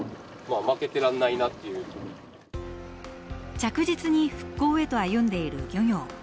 着実に復興へと歩んでいる漁業。